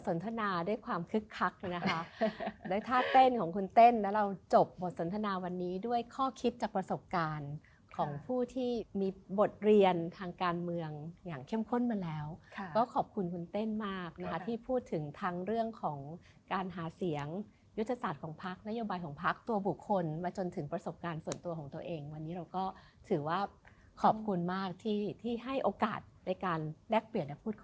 สัมภาษณาด้วยความคึกคักด้วยท่าเต้นของคุณเต้นและเราจบบทสัมภาษณาวันนี้ด้วยข้อคิดจากประสบการณ์ของผู้ที่มีบทเรียนทางการเมืองอย่างเข้มข้นมาแล้วก็ขอบคุณคุณเต้นมากที่พูดถึงทั้งเรื่องของการหาเสียงยุทธศาสตร์ของพรรคนโยบายของพรรคตัวบุคคลมาจนถึงประสบการณ์ส่วนตัวของตัวเ